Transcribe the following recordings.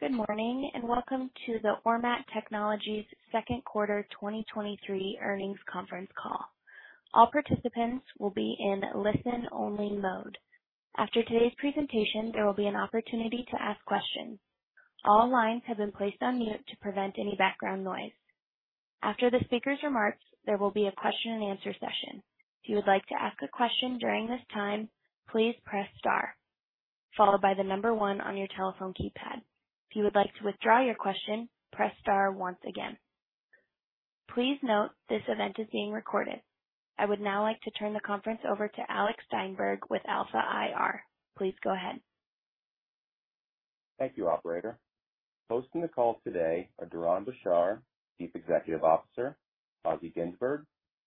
Good morning, and welcome to the Ormat Technologies Second Quarter 2023 Earnings Conference Call. All participants will be in listen-only mode. After today's presentation, there will be an opportunity to ask questions. All lines have been placed on mute to prevent any background noise. After the speaker's remarks, there will be a question and answer session. If you would like to ask a question during this time, please press star followed by 1 on your telephone keypad. If you would like to withdraw your question, press star once again. Please note, this event is being recorded. I would now like to turn the conference over to Alex Steinberg with Alpha IR. Please go ahead. Thank you, operator. Hosting the call today are Doron Blachar, Chief Executive Officer, Assi Ginzburg,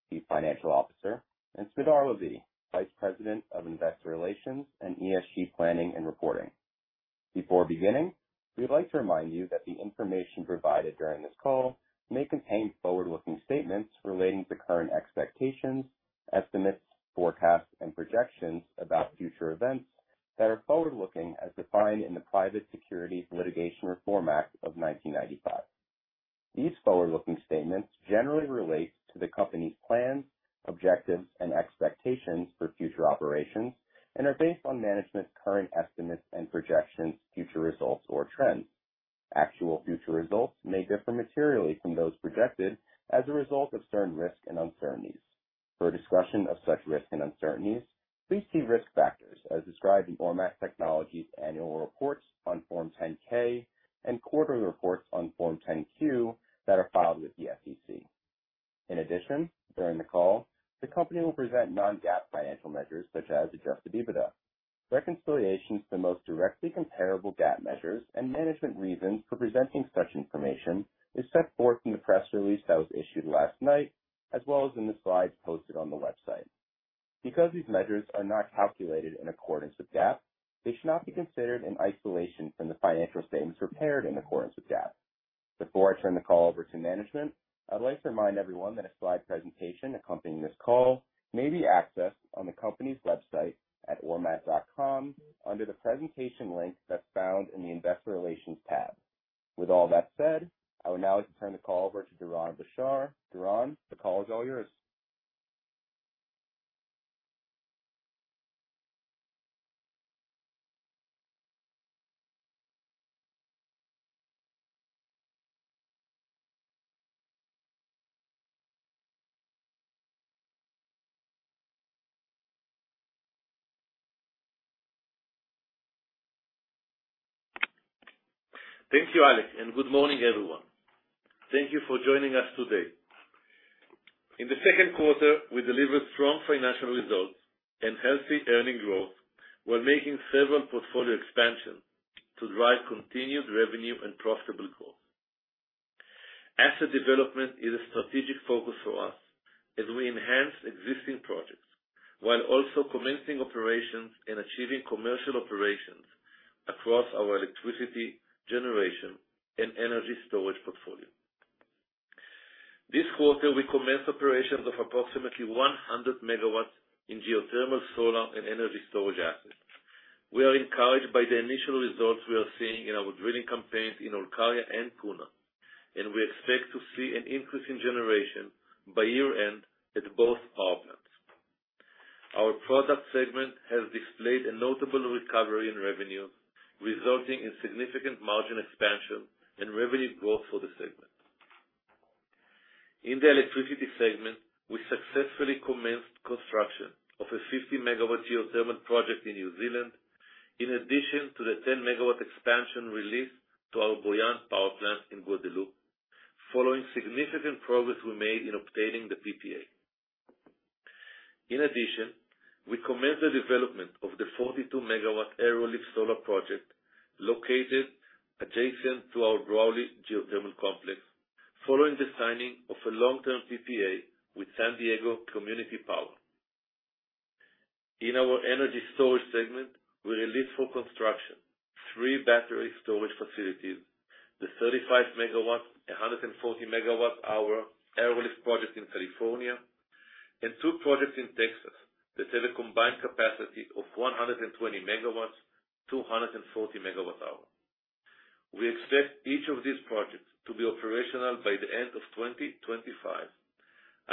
Chief Financial Officer, and Smadar Lavi, Vice President of Investor Relations and ESG Planning and Reporting. Before beginning, we'd like to remind you that the information provided during this call may contain forward-looking statements relating to current expectations, estimates, forecasts, and projections about future events that are forward-looking as defined in the Private Securities Litigation Reform Act of 1995. These forward-looking statements generally relate to the company's plans, objectives, and expectations for future operations and are based on management's current estimates and projections, future results, or trends. Actual future results may differ materially from those projected as a result of certain risks and uncertainties. For a discussion of such risks and uncertainties, please see risk factors as described in Ormat Technologies' annual reports on Form 10-K and quarterly reports on Form 10-Q that are filed with the SEC. In addition, during the call, the company will present non-GAAP financial measures such as Adjusted EBITDA. Reconciliations to the most directly comparable GAAP measures and management reasons for presenting such information is set forth in the press release that was issued last night, as well as in the slides posted on the website. Because these measures are not calculated in accordance with GAAP, they should not be considered in isolation from the financial statements prepared in accordance with GAAP. Before I turn the call over to management, I'd like to remind everyone that a slide presentation accompanying this call may be accessed on the company's website at ormat.com, under the Presentation link that's found in the Investor Relations tab. With all that said, I would now like to turn the call over to Doron Blachar. Doron, the call is all yours. Thank you, Alex. Good morning, everyone. Thank you for joining us today. In the second quarter, we delivered strong financial results and healthy earning growth while making several portfolio expansions to drive continued revenue and profitable growth. Asset development is a strategic focus for us as we enhance existing projects, while also commencing operations and achieving commercial operations across our electricity generation and energy storage portfolio. This quarter, we commenced operations of approximately 100 megawatts in geothermal, solar, and energy storage assets. We are encouraged by the initial results we are seeing in our drilling campaigns in Olkaria and Puna. We expect to see an increase in generation by year-end at both power plants. Our product segment has displayed a notable recovery in revenue, resulting in significant margin expansion and revenue growth for the segment. In the electricity segment, we successfully commenced construction of a 50 MW geothermal project in New Zealand, in addition to the 10 MW expansion released to our Bouillante power plant in Guadeloupe, following significant progress we made in obtaining the PPA. In addition, we commenced the development of the 42 MW solar Arrowleaf project, located adjacent to our Broadleaf geothermal complex, following the signing of a long-term PPA with San Diego Community Power. In our energy storage segment, we released for construction 3 battery storage facilities, the 35 MW, 140 MWh Arrowleaf project in California, and 2 projects in Texas that have a combined capacity of 120 MW, 240 MWh. We expect each of these projects to be operational by the end of 2025,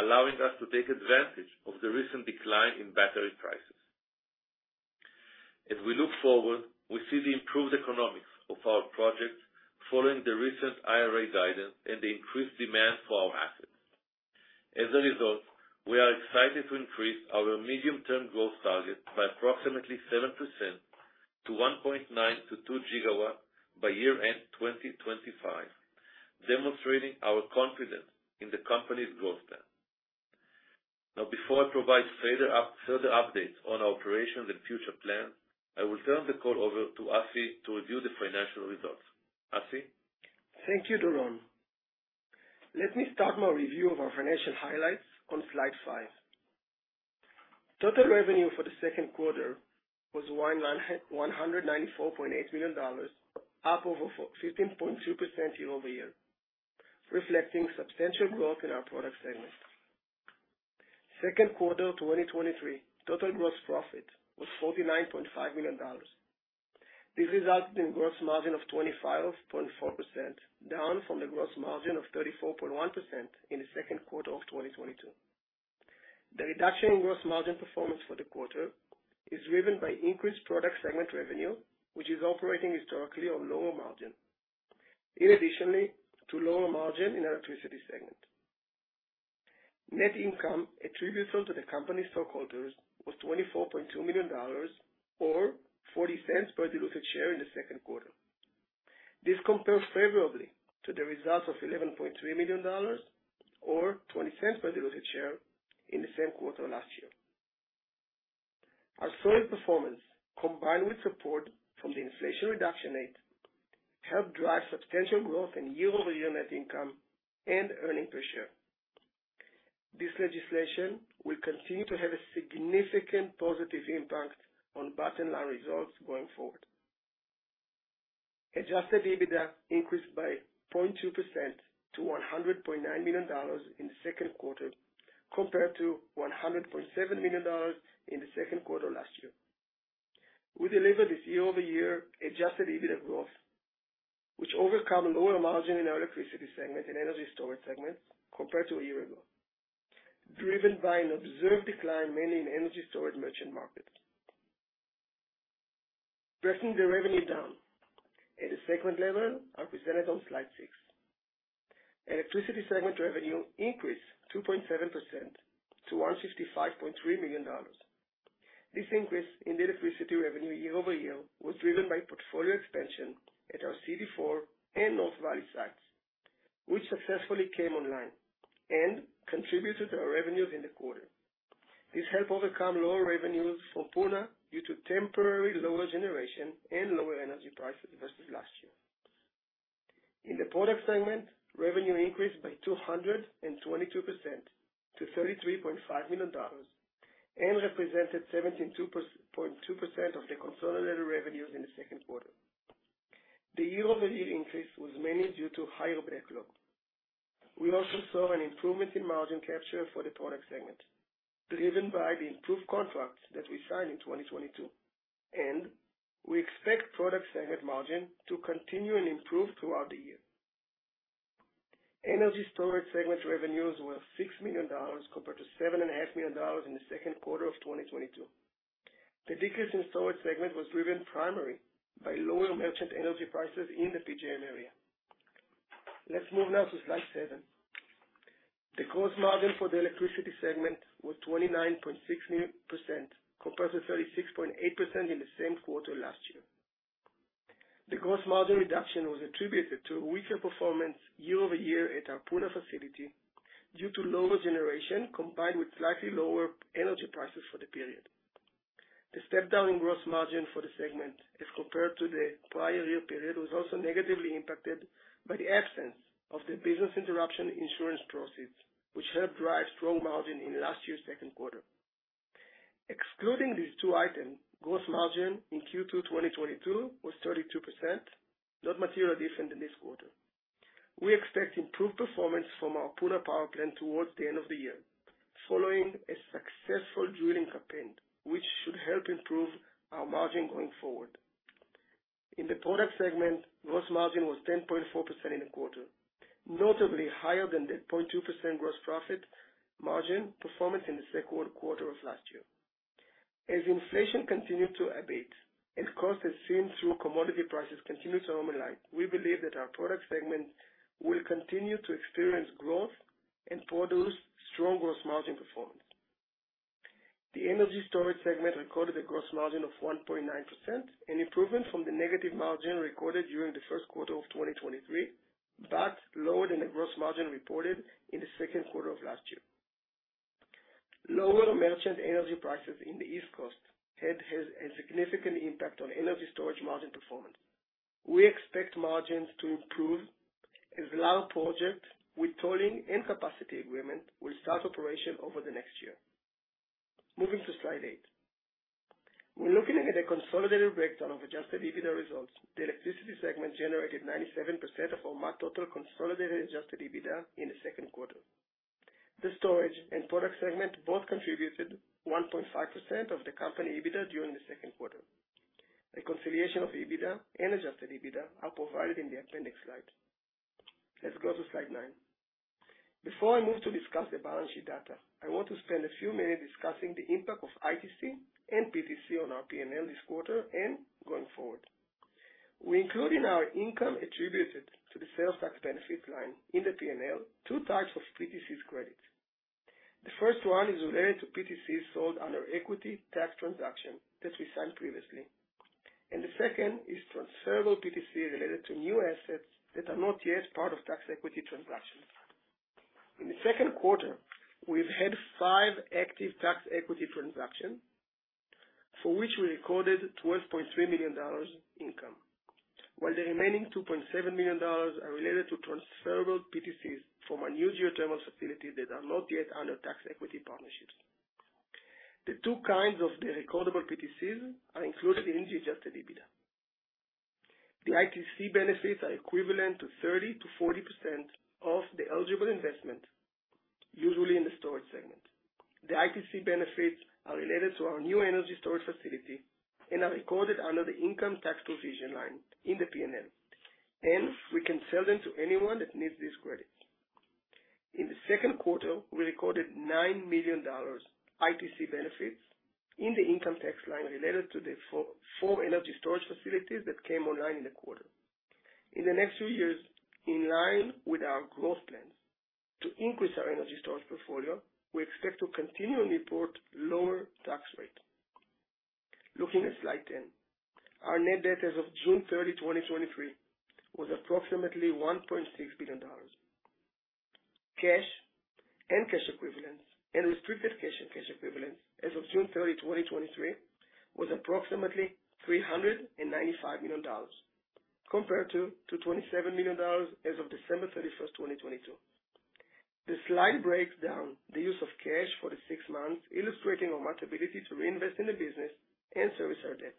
allowing us to take advantage of the recent decline in battery prices. As we look forward, we see the improved economics of our projects following the recent IRA guidance and the increased demand for our assets. As a result, we are excited to increase our medium-term growth target by approximately 7% to 1.9-2 gigawatt by year-end 2025, demonstrating our confidence in the company's growth plan. Now, before I provide further updates on our operations and future plans, I will turn the call over to Assi to review the financial results. Assi? Thank you, Doron. Let me start my review of our financial highlights on Slide 5. Total revenue for the second quarter was $194.8 million, up over 15.2% year-over-year, reflecting substantial growth in our product segment. Second Quarter 2023, total gross profit was $49.5 million. This resulted in gross margin of 25.4%, down from the gross margin of 34.1% in the second quarter of 2022. The reduction in gross margin performance for the quarter is driven by increased product segment revenue, which is operating historically on lower margin. In additionally, to lower margin in our electricity segment. Net income attributable to the company's stockholders was $24.2 million or $0.40 per diluted share in the second quarter. This compares favorably to the results of $11.3 million or $0.20 per diluted share in the same quarter last year. Our solid performance, combined with support from the Inflation Reduction Act, helped drive substantial growth in year-over-year net income and earning per share. This legislation will continue to have a significant positive impact on bottom-line results going forward. Adjusted EBITDA increased by 0.2% - $100.9 million in the second quarter, compared to $100.7 million in the second quarter last year. We delivered this year-over-year Adjusted EBITDA growth, which overcome lower margin in our electricity segment and energy storage segment compared to a year ago, driven by an observed decline, mainly in energy storage merchant market. Breaking the revenue down at a segment level are presented on Slide 6. Electricity segment revenue increased 2.7%- $155.3 million. This increase in the electricity revenue year-over-year was driven by portfolio expansion at our CD4 and North Valley sites, which successfully came online and contributed to our revenues in the quarter. This helped overcome lower revenues from Puna due to temporary lower generation and lower energy prices versus last year. In the product segment, revenue increased by 222- $33.5 million, and represented 17.2% of the consolidated revenues in the second quarter. The year-over-year increase was mainly due to higher backlog. We also saw an improvement in margin capture for the product segment, driven by the improved contracts that we signed in 2022, and we expect product segment margin to continue and improve throughout the year. Energy storage segment revenues were $6 million, compared to $7.5 million in the second quarter of 2022. The decrease in storage segment was driven primarily by lower merchant energy prices in the PJM area. Let's move now to Slide 7. The gross margin for the electricity segment was 29.6 million percent, compared to 36.8% in the same quarter last year. The gross margin reduction was attributed to a weaker performance year-over-year at our Puna facility, due to lower generation, combined with slightly lower energy prices for the period. The step down in gross margin for the segment, as compared to the prior year period, was also negatively impacted by the absence of the business interruption insurance proceeds, which helped drive strong margin in last year's second quarter. Excluding these two items, gross margin in Q2 2022 was 32%, not materially different than this quarter. We expect improved performance from our Puna power plant towards the end of the year, following a successful drilling campaign, which should help improve our margin going forward. In the product segment, gross margin was 10.4% in the quarter, notably higher than the 0.2% gross profit margin performance in the second quarter of last year. Inflation continued to abate and costs as seen through commodity prices continue to normalize, we believe that our product segment will continue to experience growth and produce strong gross margin performance. The energy storage segment recorded a gross margin of 1.9%, an improvement from the negative margin recorded during the first quarter of 2023, but lower than the gross margin reported in the second quarter of last year. Lower merchant energy prices in the East Coast has a significant impact on energy storage margin performance. We expect margins to improve as large projects with tolling and capacity agreement will start operation over the next year. Moving to Slide 8. When looking at the consolidated breakdown of Adjusted EBITDA results, the electricity segment generated 97% of our total consolidated Adjusted EBITDA in the second quarter. The storage and product segment both contributed 1.5% of the company EBITDA during the second quarter. A conciliation of EBITDA and Adjusted EBITDA are provided in the appendix slide. Let's go to Slide 9. Before I move to discuss the balance sheet data, I want to spend a few minutes discussing the impact of ITC and PTC on our PNL this quarter and going forward. We include in our income attributed to the sales tax benefit line in the PNL, two types of PTCs credits. The first one is related to PTC sold under equity tax transaction that we signed previously, and the second is transferable PTC related to new assets that are not yet part of tax equity transactions. In the second quarter, we've had five active tax equity transaction, for which we recorded $12.3 million income, while the remaining $2.7 million are related to transferable PTCs from our new geothermal facilities that are not yet under tax equity partnerships. The two kinds of the recordable PTCs are included in the Adjusted EBITDA. The ITC benefits are equivalent to 30%-40% of the eligible investment, usually in the storage segment. The ITC benefits are related to our new energy storage facility and are recorded under the income tax provision line in the PNL, and we can sell them to anyone that needs this credit. In the second quarter, we recorded $9 million ITC benefits in the income tax line related to the four energy storage facilities that came online in the quarter. In the next few years, in line with our growth plans, to increase our energy storage portfolio, we expect to continue and report lower tax rate. Looking at Slide 10. Our net debt as of June 30, 2023, was approximately $1.6 billion. Cash and cash equivalents and restricted cash and cash equivalents as of June 30, 2023, was approximately $395 million, compared to $27 million as of December 31, 2022. The slide breaks down the use of cash for the 6 months, illustrating our ability to reinvest in the business and service our debt.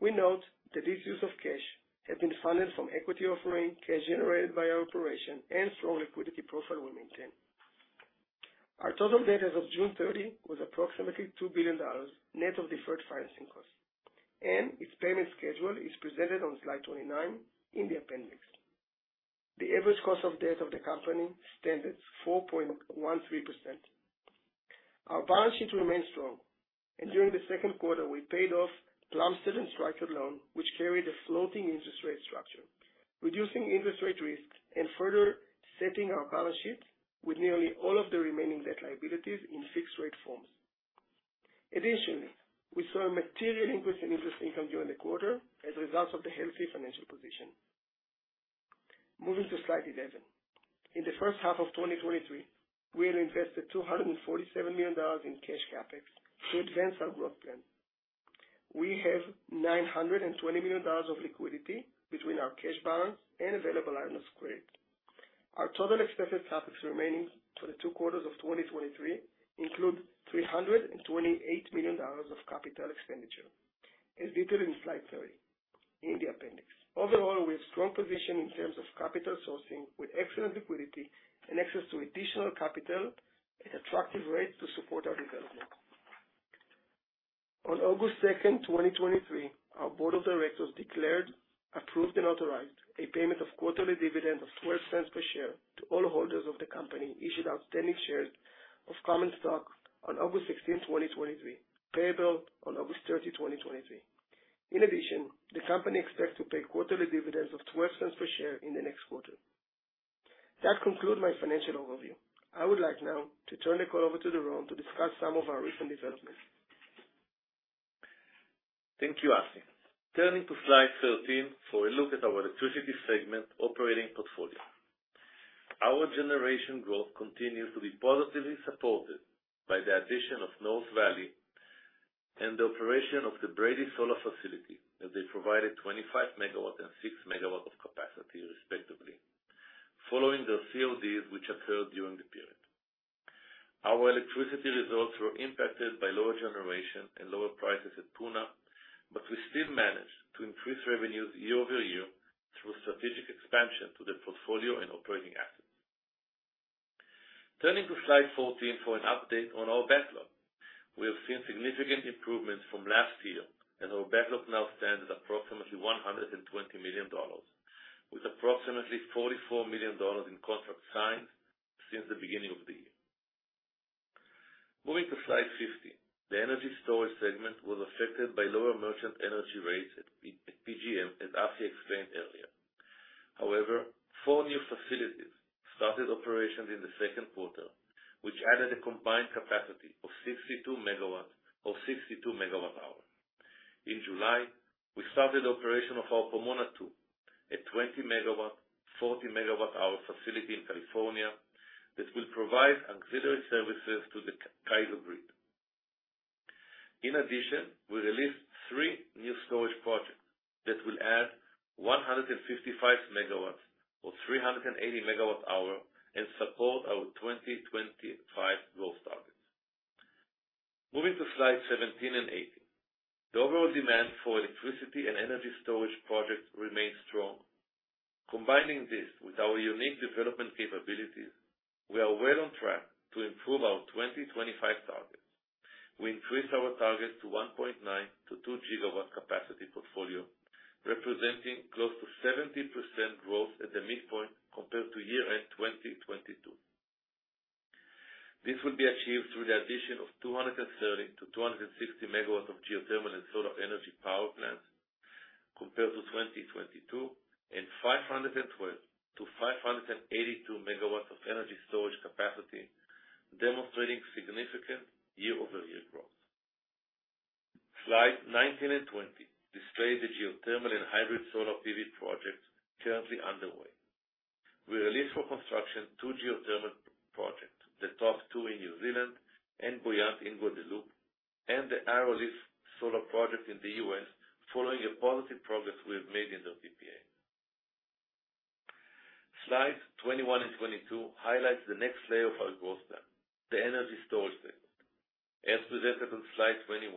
We note that this use of cash has been funded from equity offering, cash generated by our operation, and strong liquidity profile we maintain. Our total debt as of June 30, was approximately $2 billion, net of deferred financing costs, and its payment schedule is presented on Slide 29 in the appendix. The average cost of debt of the company stands at 4.13%. Our balance sheet remains strong, and during the second quarter, we paid off Plumsted and Striker Loan, which carried a floating interest rate structure, reducing interest rate risk and further setting our balance sheet with nearly all of the remaining debt liabilities in fixed rate forms. Additionally, we saw a material increase in interest income during the quarter as a result of the healthy financial position. Moving to Slide 11. In the first half of 2023, we have invested $247 million in cash CapEx to advance our growth plan. We have $920 million of liquidity between our cash balance and available line of credit. Our total expected CapEx remaining for the 2 quarters of 2023 include $328 million of capital expenditure, as detailed in Slide 30 in the appendix. Overall, we have strong position in terms of capital sourcing, with excellent liquidity and access to additional capital at attractive rates to support our development. On August 2, 2023, our board of directors declared, approved, and authorized a payment of quarterly dividend of $0.12 per share to all holders of the company, issued outstanding shares of common stock on August 16, 2023, payable on August 30, 2023. In addition, the company expects to pay quarterly dividends of $0.12 per share in the next quarter. That conclude my financial overview. I would like now to turn the call over to Doron to discuss some of our recent developments. Thank you, Assi. Turning to slide 13 for a look at our electricity segment operating portfolio. Our generation growth continues to be positively supported by the addition of North Valley and the operation of the Brady Solar facility, as they provided 25 MW and 6 MW of capacity, respectively, following their CODs, which occurred during the period. Our electricity results were impacted by lower generation and lower prices at Puna, we still managed to increase revenues year over year through strategic expansion to the portfolio and operating assets. Turning to slide 14 for an update on our backlog. We have seen significant improvements from last year, and our backlog now stands at approximately $120 million, with approximately $44 million in contracts signed since the beginning of the year. Moving to slide 15. The energy storage segment was affected by lower merchant energy rates at PJM, as Assi explained earlier. 4 new facilities started operations in the second quarter, which added a combined capacity of 62 MW or 62 MWh. In July, we started operation of our Pomona 2, a 20 MW, 40 MWh facility in California, that will provide auxiliary services to the CAISO grid. we released 3 new storage projects that will add 155 MW or 380 MWh, and support our 2025 growth targets. Moving to Slide 17 and 18. The overall demand for electricity and energy storage projects remains strong. Combining this with our unique development capabilities, we are well on track to improve our 2025 targets. We increased our targets to 1.9-2 gigawatt capacity portfolio, representing close to 70% growth at the midpoint compared to year-end 2022. This will be achieved through the addition of 230-260 megawatts of geothermal and solar energy power plants compared to 2022, and 512-582 megawatts of energy storage capacity, demonstrating significant year-over-year growth. Slide 19 and 20 display the geothermal and hybrid solar PV projects currently underway. We released for construction two geothermal projects, the TOPP-2 in New Zealand and Bouillante in Guadeloupe, and the Arrowleaf Solar Project in the U.S., following a positive progress we have made in their PPA. Slides 21 and 22 highlights the next layer of our growth plan, the energy storage segment. As presented on Slide 21,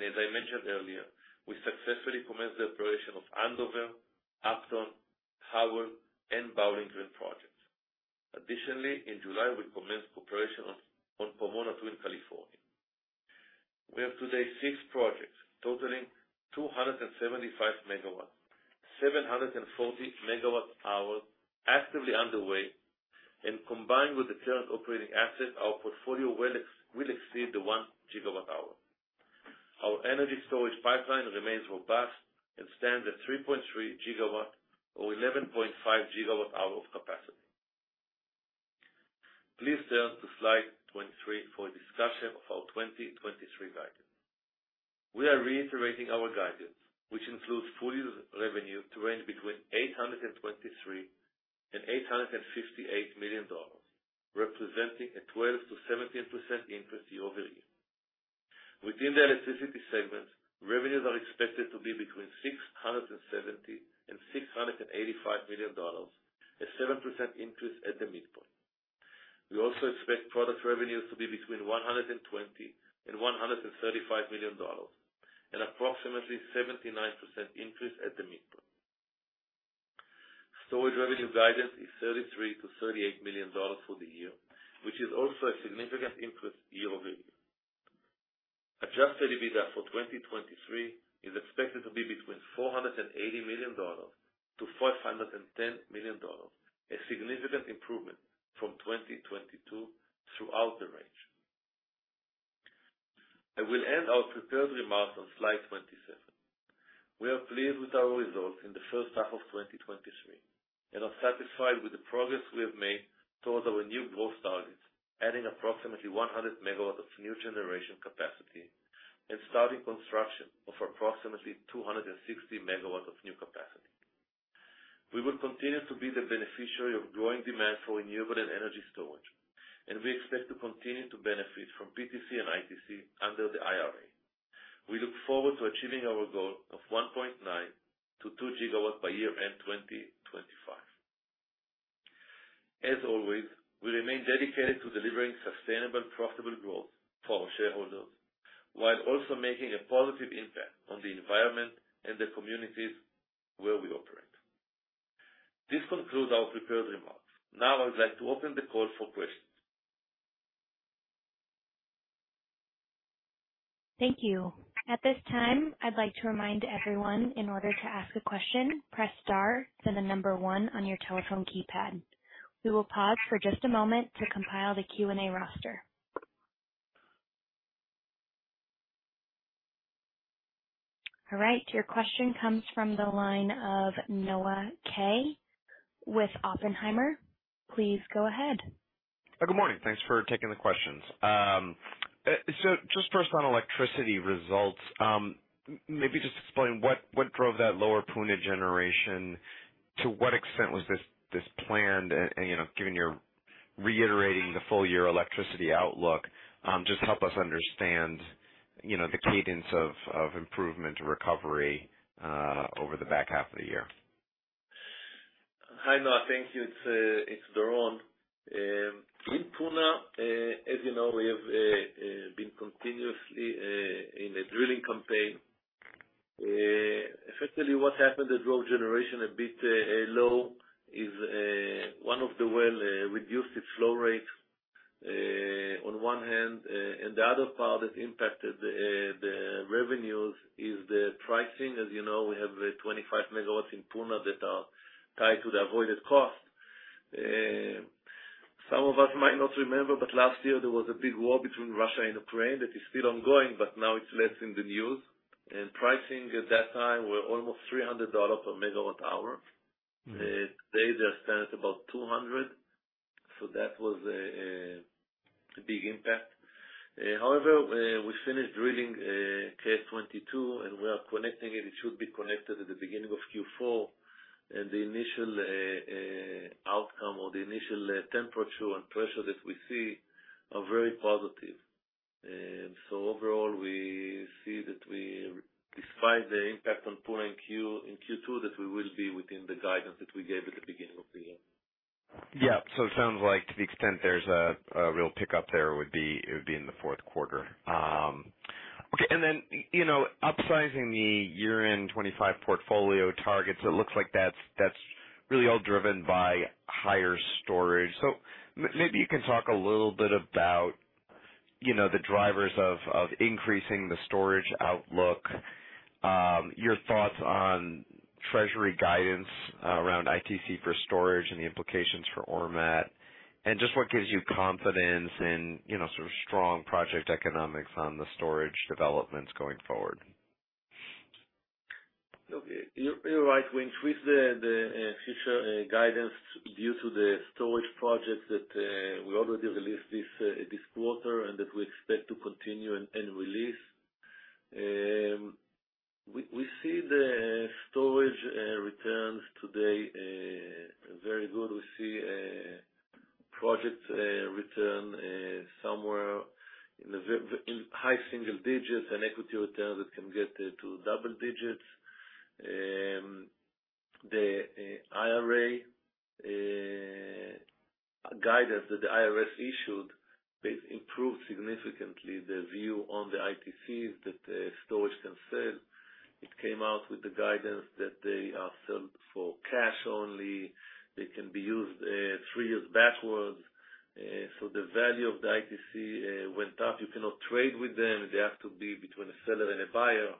as I mentioned earlier, we successfully commenced the operation of Andover, Upton, and Bowling Green projects. Additionally, in July, we commenced operation on Pomona 2, California. We have today six projects totaling 275 MW, 740 MWh actively underway, and combined with the current operating assets, our portfolio will exceed the 1 GWh. Our energy storage pipeline remains robust and stands at 3.3 GW or 11.5 GWh of capacity. Please turn to Slide 23 for a discussion of our 2023 guidance. We are reiterating our guidance, which includes full year's revenue to range between $823 million and $858 million, representing a 12%-17% increase year-over-year. Within the electricity segment, revenues are expected to be between $670 million and $685 million, a 7% increase at the midpoint. We also expect product revenues to be between $120 million and $135 million, an approximately 79% increase at the midpoint. Storage revenue guidance is $33 million-$38 million for the year, which is also a significant increase year-over-year. Adjusted EBITDA for 2023 is expected to be between $480 million-$510 million, a significant improvement from 2022 throughout the range. I will end our prepared remarks on Slide 27. We are pleased with our results in the first half of 2023, and are satisfied with the progress we have made towards our new growth targets, adding approximately 100 MW of new generation capacity and starting construction of approximately 260 MW of new capacity. We will continue to be the beneficiary of growing demand for renewable and energy storage, and we expect to continue to benefit from PTC and ITC under the IRA. We look forward to achieving our goal of 1.9-2 GW by year-end 2025. As always, we remain dedicated to delivering sustainable, profitable growth for our shareholders, while also making a positive impact on the environment and the communities where we operate. This concludes our prepared remarks. Now, I would like to open the call for questions. Thank you. At this time, I'd like to remind everyone, in order to ask a question, press star then the number one on your telephone keypad. We will pause for just a moment to compile the Q&A roster. All right, your question comes from the line of Noah Kay with Oppenheimer. Please go ahead. Good morning. Thanks for taking the questions. Just first on electricity results, maybe just explain what, what drove that lower Puna generation? To what extent was this, this planned, and, you know, given you're reiterating the full year electricity outlook, just help us understand, you know, the cadence of, of improvement or recovery, over the back half of the year. Hi, Noah. Thank you. It's Doron. In Puna, as you know, we have been continuously in a drilling campaign. Effectively, what happened that drove generation a bit low is one of the well reduced its flow rates on one hand, and the other part that impacted the revenues is the pricing. As you know, we have 25 MW in Puna that are tied to the avoided cost. Some of us might not remember, last year there was a big war between Russia and Ukraine that is still ongoing, but now it's less in the news. Pricing at that time were almost $300 per MWh. Mm-hmm. e will be within the guidance that we gave at the beginning of the year Yeah. It sounds like to the extent there's a real pickup there, it would be, it would be in the fourth quarter. Okay, then, you know, upsizing the year-end 2025 portfolio targets, it looks like that's, that's really all driven by higher storage. Maybe you can talk a little bit about, you know, the drivers of increasing the storage outlook, your thoughts on treasury guidance around ITC for storage and the implications for Ormat, and just what gives you confidence in, you know, sort of strong project economics on the storage developments going forward? Okay. You're, you're right. We increased the, the future guidance due to the storage projects that we already released this quarter and that we expect to continue and release. We, we see the storage returns today very good. We see project return somewhere in high single digits and equity return that can get to double digits. The IRA guidance that the IRS issued, they've improved significantly the view on the ITCs that storage can sell. It came out with the guidance that they are sold for cash only. They can be used 3 years backwards. The value of the ITC went up. You cannot trade with them. They have to be between a seller and a buyer.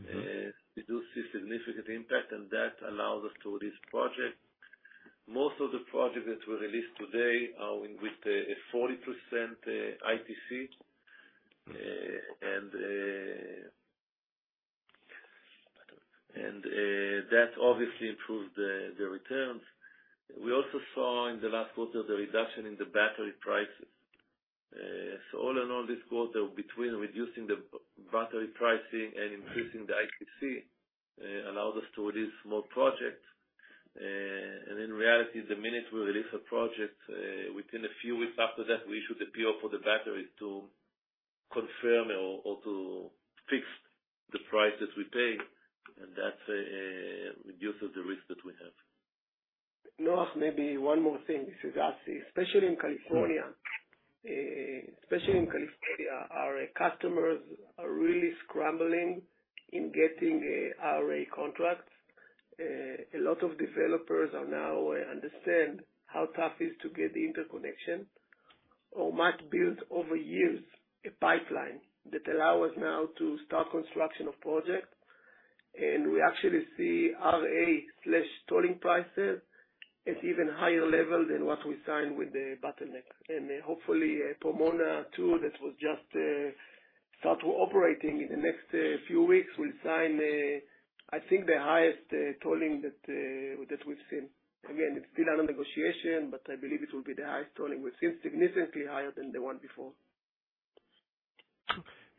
Mm-hmm. We do see significant impact, and that allows us to this project. Most of the projects that were released today are with a 40% ITC. Mm-hmm. That obviously improved the returns. We also saw in the last quarter the reduction in the battery prices. All in all, this quarter, between reducing the battery pricing and increasing the ITC, allowed us to release more projects. In reality, the minute we release a project, within a few weeks after that, we issue the PO for the battery to confirm or to fix the prices we pay, and that reduces the risk that we have. Noach, maybe one more thing. This is Assi. Especially in California, especially in California, our customers are really scrambling in getting RA contracts. A lot of developers are now understand how tough it is to get the interconnection. Ormat built over years a pipeline that allow us now to start construction of project. We actually see RA/tolling prices at even higher level than what we signed with the bottleneck. Hopefully, Pomona too, that was just start operating in the next few weeks, we'll sign, I think the highest tolling that that we've seen. Again, it's still under negotiation, but I believe it will be the highest tolling. We've seen significantly higher than the one before.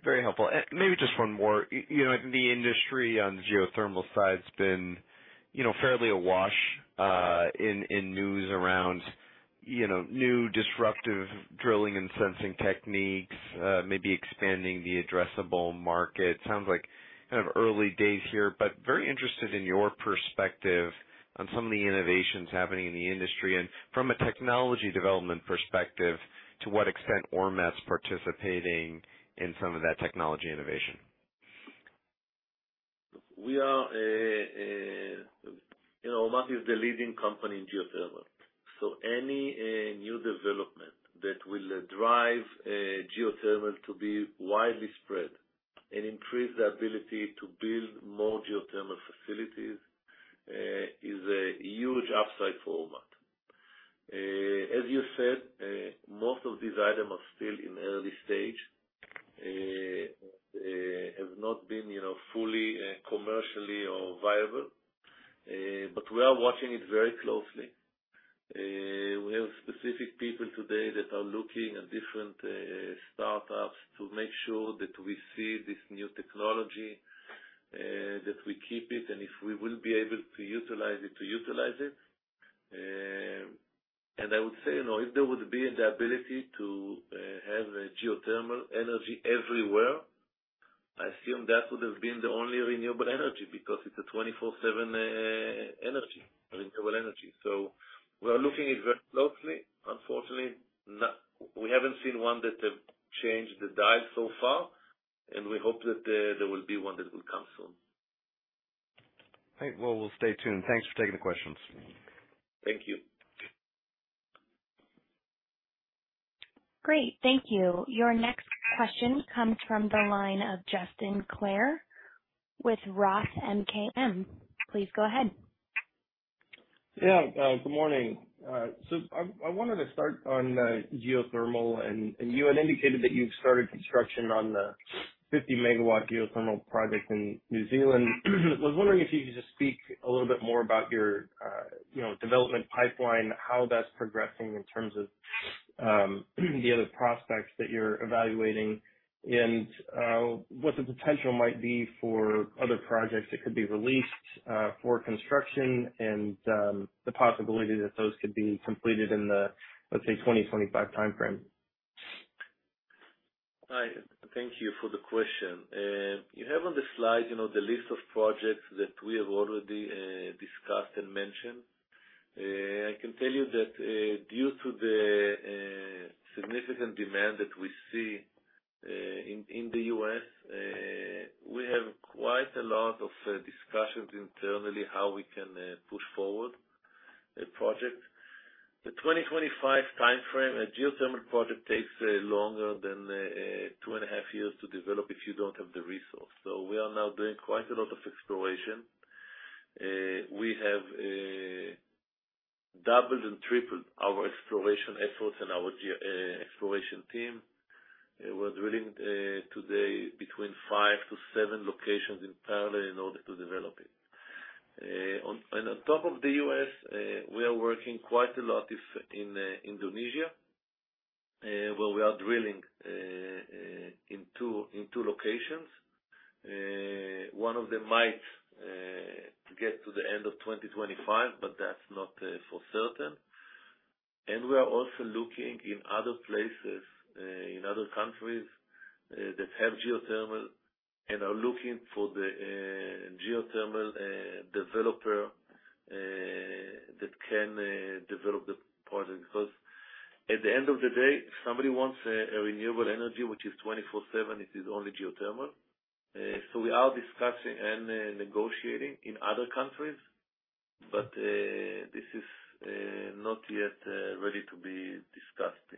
Very helpful. Maybe just one more. You know, the industry on the geothermal side's been, you know, fairly awash, in, in news around, you know, new disruptive drilling and sensing techniques, maybe expanding the addressable market. Sounds like kind of early days here, but very interested in your perspective on some of the innovations happening in the industry. From a technology development perspective, to what extent Ormat's participating in some of that technology innovation? We are, you know, Ormat is the leading company in geothermal. Any new development that will drive geothermal to be widely spread and increase the ability to build more geothermal facilities, is a huge upside for Ormat. As you said, most of these items are still in early stage, have not been, you know, fully, commercially or viable, but we are watching it very closely. We have specific people today that are looking at different startups to make sure that we see this new technology, that we keep it, and if we will be able to utilize it, to utilize it. I would say, you know, if there would be the ability to have a geothermal energy everywhere, I assume that would have been the only renewable energy, because it's a 24/7 energy, renewable energy. We are looking at it very closely. Unfortunately, not. We haven't seen one that have changed the dial so far, and we hope that there will be one that will come soon. Great. Well, we'll stay tuned. Thanks for taking the questions. Thank you. Great. Thank you. Your next question comes from the line of Justin Claire with Roth MKM. Please go ahead. Yeah, good morning. I, I wanted to start on geothermal, and, and you had indicated that you've started construction on the 50 MW geothermal project in New Zealand. Was wondering if you could just speak a little bit more about your, you know, development pipeline, how that's progressing in terms of the other prospects that you're evaluating, and what the potential might be for other projects that could be released for construction, and the possibility that those could be completed in the, let's say, 2025 timeframe. Hi, thank you for the question. You have on the slide, you know, the list of projects that we have already discussed and mentioned. I can tell you that, due to the significant demand that we see in the U.S., we have quite a lot of discussions internally how we can push forward a project. The 2025 timeframe, a geothermal project takes longer than 2.5 years to develop if you don't have the resource. We are now doing quite a lot of exploration. We have doubled and tripled our exploration efforts and our geo exploration team. We're drilling today between five to seven locations in parallel in order to develop it. On top of the U.S., we are working quite a lot of in Indonesia. Well, we are drilling in 2, in 2 locations. One of them might get to the end of 2025, but that's not for certain. We are also looking in other places, in other countries that have geothermal and are looking for the geothermal developer that can develop the project. Because at the end of the day, if somebody wants a renewable energy, which is 24/7, it is only geothermal. We are discussing and negotiating in other countries, but this is not yet ready to be discussed.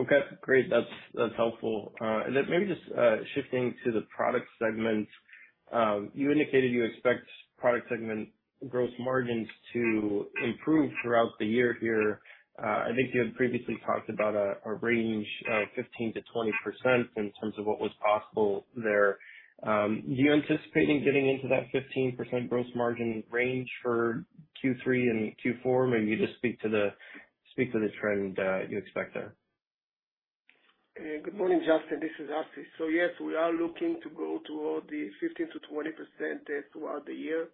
Okay, great. That's, that's helpful. Maybe just shifting to the product segment. You indicated you expect product segment gross margins to improve throughout the year here. I think you had previously talked about a, a range of 15%-20% in terms of what was possible there. Do you anticipating getting into that 15% gross margin range for Q3 and Q4? Maybe just speak to the, speak to the trend you expect there. Good morning, Justin. This is Asi. Yes, we are looking to go toward the 15%-20% throughout the year.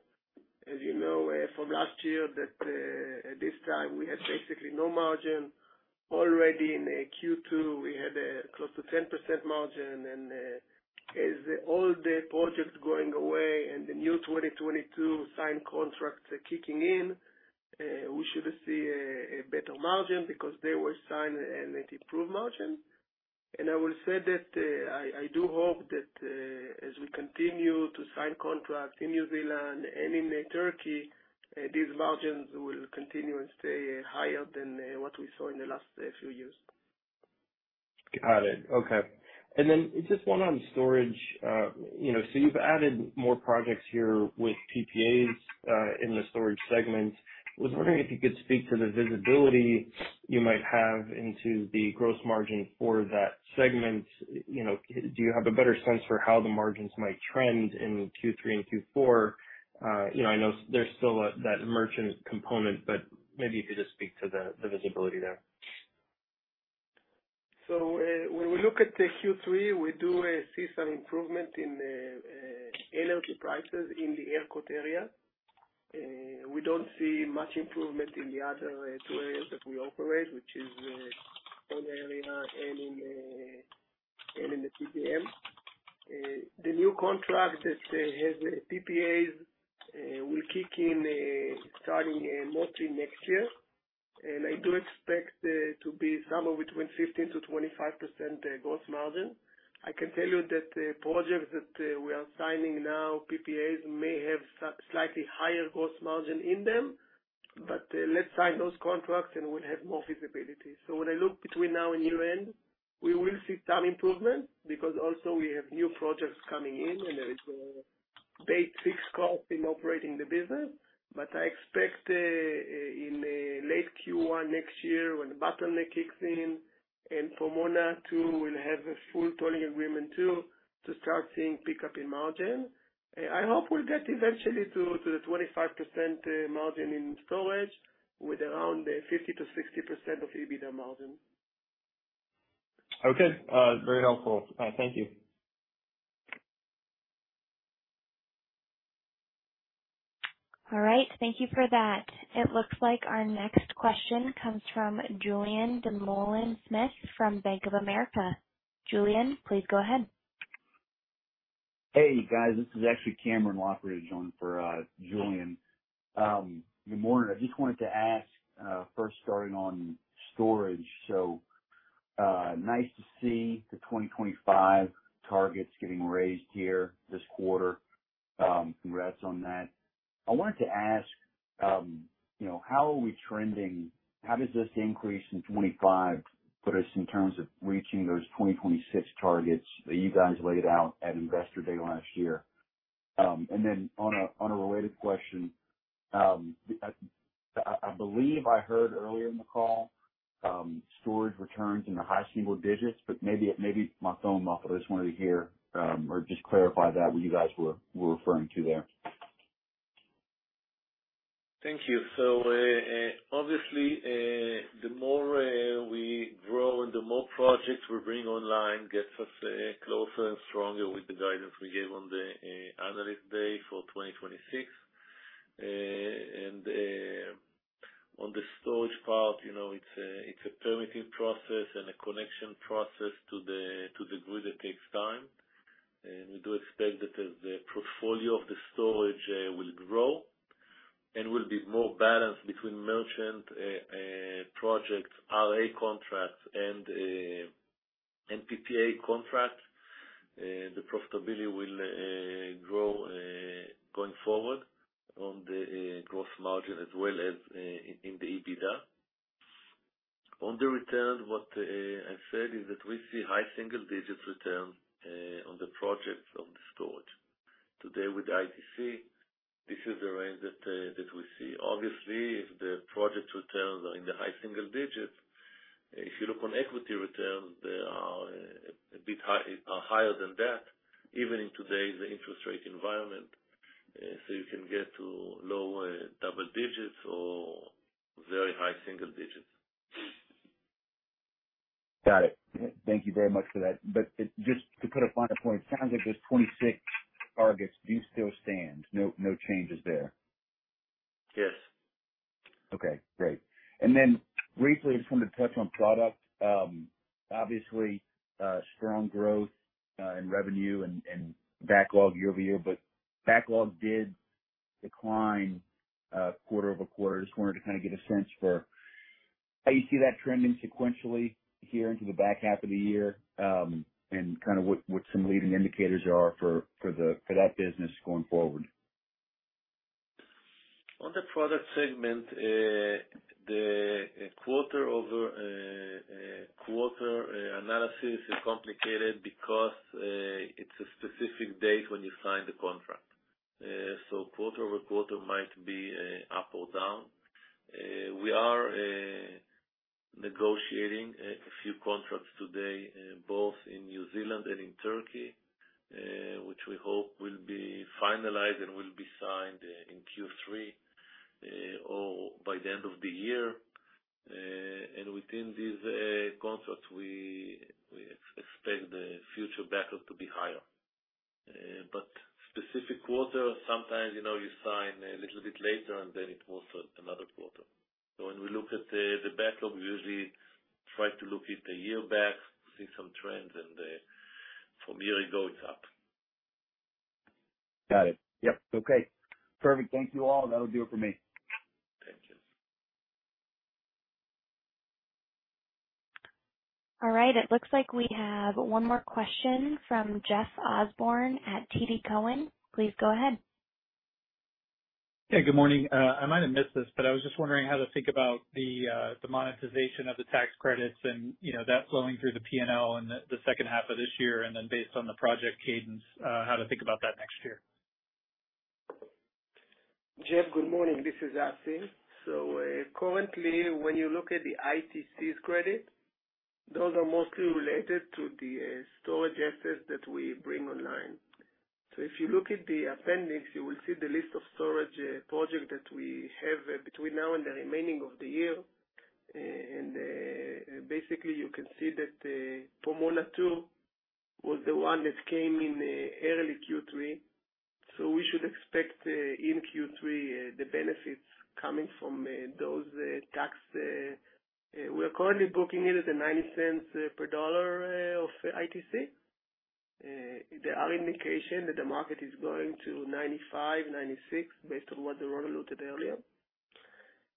As you know, from last year, that at this time, we had basically no margin. Already in Q2, we had close to 10% margin. As all the projects going away and the new 2022 signed contracts are kicking in, we should see a better margin because they were signed and it improved margin. I will say that I, I do hope that as we continue to sign contracts in New Zealand and in Turkey, these margins will continue and stay higher than what we saw in the last few years. Got it. Okay. Just one on storage. You know, so you've added more projects here with PPAs in the storage segment. I was wondering if you could speak to the visibility you might have into the gross margin for that segment. You know, do you have a better sense for how the margins might trend in Q3 and Q4? You know, I know there's still that merchant component, but maybe if you just speak to the visibility there. When we look at the Q3, we do see some improvement in energy prices in the Aerolith area. We don't see much improvement in the other two areas that we operate, which is one area and in the PJM. The new contract that has PPAs will kick in starting mostly next year. I do expect to be somewhere between 15%-25% gross margin. I can tell you that the projects that we are signing now, PPAs, may have some slightly higher gross margin in them, but let's sign those contracts and we'll have more visibility. When I look between now and year-end, we will see some improvement, because also we have new projects coming in, and there is a big fixed cost in operating the business. I expect in late Q1 next year, when the bottleneck kicks in and Pomona, too, will have a full tolling agreement, too, to start seeing pickup in margin. I hope we'll get eventually to, to the 25% margin in storage, with around 50%-60% of EBITDA margin. Okay, very helpful. Thank you. All right. Thank you for that. It looks like our next question comes from Julien Dumoulin-Smith from Bank of America. Julian, please go ahead. Hey, guys. This is actually Cameron Loughridge on for Julian. Good morning. I just wanted to ask, first starting on storage. Nice to see the 2025 targets getting raised here this quarter. Congrats on that. I wanted to ask, you know, how are we trending... How does this increase in 25 put us in terms of reaching those 2026 targets that you guys laid out at Investor Day last year? On a, on a related question, I, I, I believe I heard earlier in the call, storage returns in the high single digits, but maybe, maybe my phone muffled. I just wanted to hear, or just clarify that, what you guys were, were referring to there. Thank you. Obviously, the more we grow and the more projects we bring online, gets us closer and stronger with the guidance we gave on the Analyst Day for 2026. On the storage part, you know, it's a, it's a permitting process and a connection process to the grid, it takes time. We do expect that as the portfolio of the storage will grow and will be more balanced between merchant projects, RA contracts and PPA contracts, the profitability will grow going forward on the gross margin as well as in the EBITDA. On the returns, what I said is that we see high single digits return on the projects on the storage. Today, with ITC, this is the range that we see. Obviously, if the project returns are in the high single digits, if you look on equity returns, they are a bit high, higher than that, even in today's interest rate environment. you can get to lower double digits or very high single digits. Got it. Thank you very much for that. Just to put a finer point, sounds like this 26 targets do still stand, no, no changes there? Yes. Okay, great. Then briefly, I just wanted to touch on product. Obviously, strong growth, in revenue and backlog year-over-year, but backlog did decline, quarter-over-quarter. Just wanted to kind of get a sense for how you see that trending sequentially here into the back half of the year, and kind of what some leading indicators are for the, for that business going forward? On the product segment, the quarter-over-quarter analysis is complicated because it's a specific date when you sign the contract. Quarter-over-quarter might be up or down. We are negotiating a few contracts today, both in New Zealand and in Turkey, which we hope will be finalized and will be signed in Q3 or by the end of the year. Within these contracts, we, we expect the future backlog to be higher. Specific quarter, sometimes, you know, you sign a little bit later, and then it was another quarter. When we look at the backlog, we usually try to look at a year back, see some trends, and from year ago, it's up. Got it. Yep. Okay, perfect. Thank you, all. That'll do it for me. Thank you. All right, it looks like we have one more question from Jeff Osborne at TD Cowen. Please go ahead. Hey, good morning. I might have missed this, but I was just wondering how to think about the monetization of the tax credits and, you know, that flowing through the PNL in the second half of this year, and then based on the project cadence, how to think about that next year. Jeff, good morning. This is Assi Ginzburg. Currently, when you look at the ITCs credit, those are mostly related to the storage assets that we bring online. If you look at the appendix, you will see the list of storage project that we have between now and the remaining of the year. Basically, you can see that Pomona Two was the one that came in early Q3. We should expect in Q3 the benefits coming from those tax. We are currently booking it at $0.90 per dollar of ITC. There are indication that the market is going to $0.95, $0.96, based on what Doron Bishar noted earlier.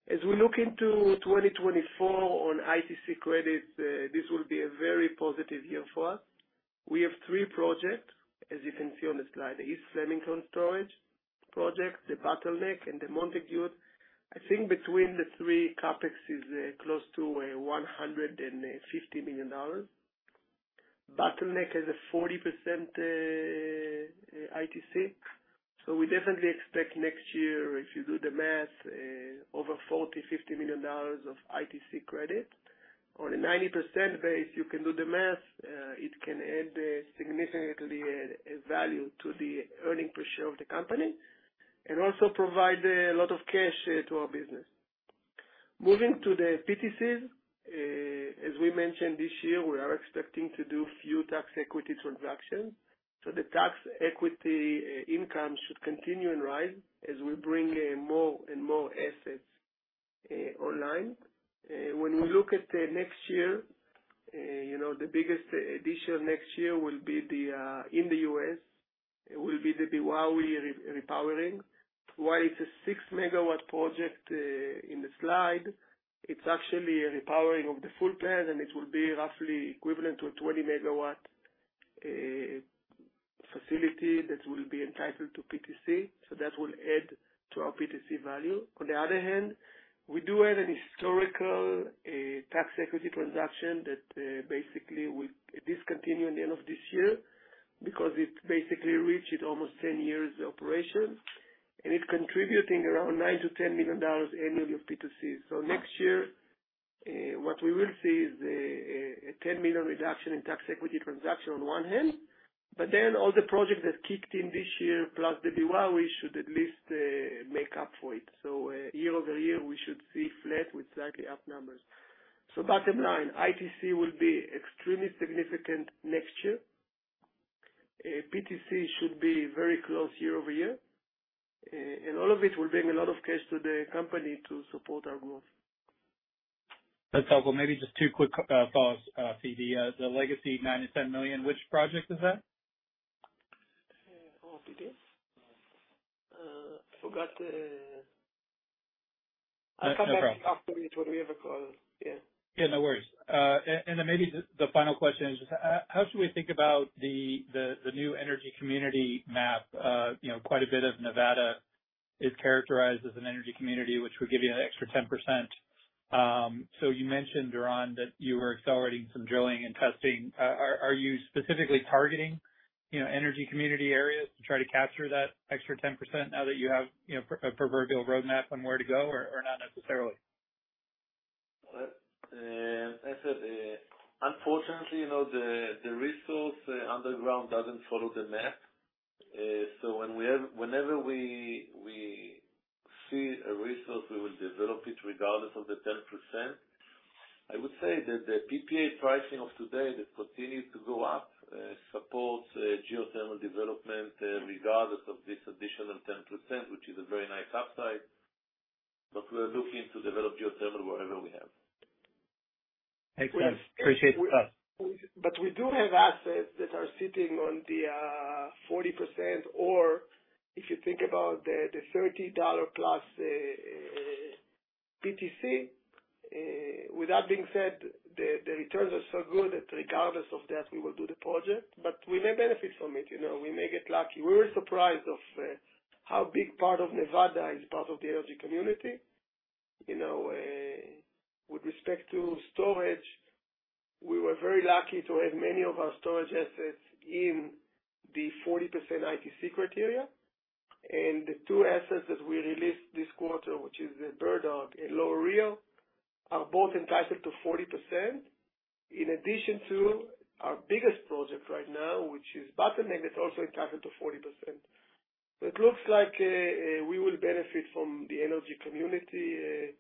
As we look into 2024 on ITC credits, this will be a very positive year for us. We have three projects, as you can see on the slide, the East Flemington storage project, the Bottleneck, and the Montague. I think between the three, CapEx is close to $150 million. Bottleneck has a 40% ITC, so we definitely expect next year, if you do the math, over $40 million-$50 million of ITC credit. On a 90% base, you can do the math, it can add significantly value to the earning per share of the company, and also provide a lot of cash to our business. Moving to the PTCs, as we mentioned this year, we are expecting to do few tax equity transactions. The tax equity income should continue and rise as we bring in more and more assets online. When we look at next year, you know, the biggest addition next year will be in the U.S. It will be the Beowawe re- repowering. While it's a 6 MW project in the slide, it's actually a repowering of the full plant, and it will be roughly equivalent to a 20 MW facility that will be entitled to PTC, so that will add to our PTC value. On the other hand, we do have an historical tax equity transaction that basically will discontinue in the end of this year, because it basically reached almost 10 years of operation, and it's contributing around $9 million-$10 million annually of PTC. Next year, what we will see is a, a, a $10 million reduction in tax equity transaction on one hand, but then all the projects that kicked in this year, plus the Bouillante should at least make up for it. Year-over-year, we should see flat with slightly up numbers. Bottom line, ITC will be extremely significant next year. PTC should be very close year-over-year. All of it will bring a lot of cash to the company to support our growth. That's helpful. Maybe just 2 quick thoughts, Phoebe. The legacy $9 million-$10 million, which project is that? Oh, did this? I forgot. I'll come back after we, when we ever call. Yeah. Yeah, no worries. Then maybe the final question is, how should we think about the new energy community map? You know, quite a bit of Nevada is characterized as an energy community, which would give you an extra 10%. So you mentioned, Doron, that you were accelerating some drilling and testing. Are you specifically targeting, you know, energy community areas to try to capture that extra 10% now that you have, you know, a proverbial roadmap on where to go, or not necessarily? ... I said, unfortunately, you know, the, the resource, underground doesn't follow the map. So whenever we, we see a resource, we will develop it regardless of the 10%. I would say that the PPA pricing of today that continues to go up, supports geothermal development, regardless of this additional 10%, which is a very nice upside, but we're looking to develop geothermal wherever we have. Thanks, guys. Appreciate the thought. We do have assets that are sitting on the 40%, or if you think about the $30 plus PTC. With that being said, the returns are so good that regardless of that, we will do the project, but we may benefit from it, you know, we may get lucky. We were surprised of how big part of Nevada is part of the energy community. You know, with respect to storage, we were very lucky to have many of our storage assets in the 40% ITC criteria. The two assets that we released this quarter, which is the Bird Dog and Lower Rio, are both entitled to 40%, in addition to our biggest project right now, which is Buttleneck, that's also entitled to 40%. It looks like we will benefit from the energy community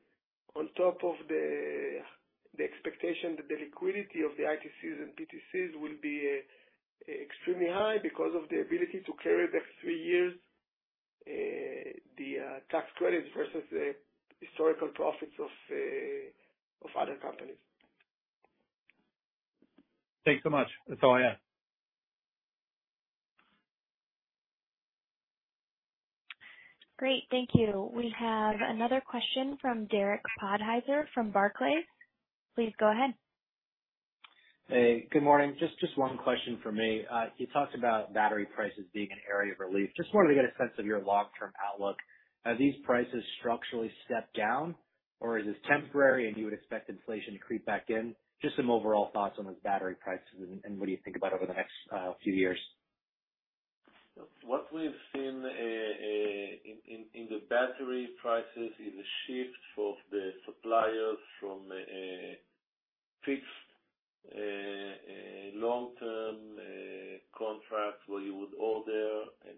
on top of the expectation that the liquidity of the ITCs and PTCs will be extremely high because of the ability to carry the next 3 years, the tax credits versus the historical profits of other companies. Thanks so much. That's all I have. Great. Thank you. We have another question from Derrick Podyzer from Barclays. Please go ahead. Hey, good morning. Just, just one question for me. You talked about battery prices being an area of relief. Just wanted to get a sense of your long-term outlook. Have these prices structurally stepped down, or is this temporary, and you would expect inflation to creep back in? Just some overall thoughts on the battery prices and, and what do you think about over the next few years. What we've seen in the battery prices is a shift of the suppliers from fixed long-term contracts, where you would order and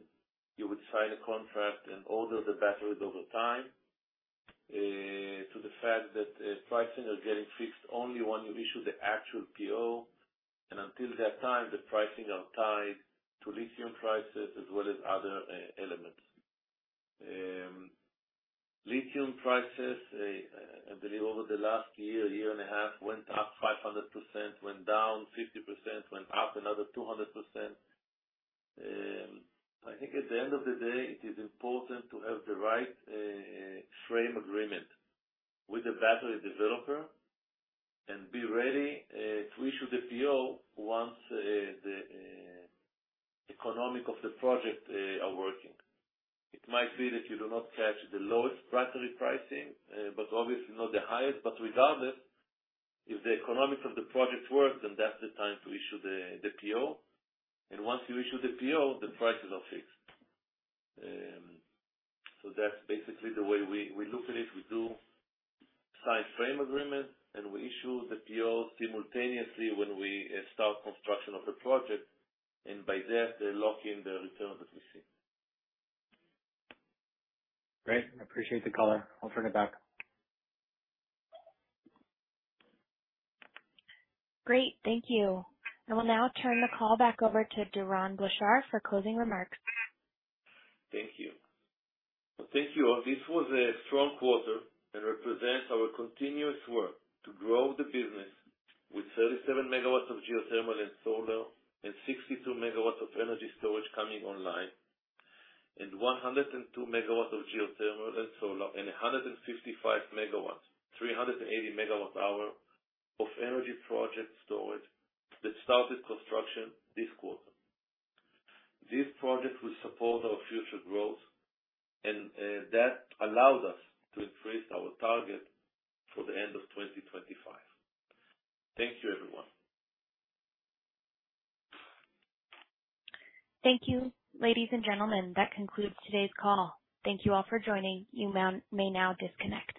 you would sign a contract and order the batteries over time, to the fact that pricing is getting fixed only when you issue the actual PO. Until that time, the pricing are tied to lithium prices as well as other elements. Lithium prices, I believe over the last year, year and a half, went up 500%, went down 50%, went up another 200%. I think at the end of the day, it is important to have the right frame agreement with the battery developer and be ready to issue the PO once the economic of the project are working. It might be that you do not catch the lowest battery pricing, but obviously not the highest. Regardless, if the economics of the project works, then that's the time to issue the PO, and once you issue the PO, the prices are fixed. That's basically the way we look at it. We do sign frame agreement, we issue the PO simultaneously when we start construction of the project, by that, they lock in the return that we see. Great. I appreciate the color. I'll turn it back. Great. Thank you. I will now turn the call back over to Doron Bishar for closing remarks. Thank you. Thank you all. This was a strong quarter and represents our continuous work to grow the business with 37 MW of geothermal and solar, and 62 MW of energy storage coming online, and 102 MW of geothermal and solar, and 155 MW, 380 MWh of energy project storage that started construction this quarter. These projects will support our future growth, and that allows us to increase our target for the end of 2025. Thank you, everyone. Thank you, ladies and gentlemen. That concludes today's call. Thank you all for joining. You may now disconnect.